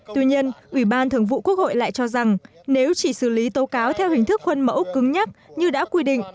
tuy nhiên ủy ban thường vụ quốc hội lại cho rằng nếu chỉ xử lý tố cáo theo hình thức khuôn mẫu cứng nhắc như đã quy định